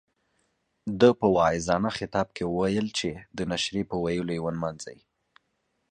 ده په واعظانه خطاب کې ویل چې د نشرې په ويلو یې ونمانځئ.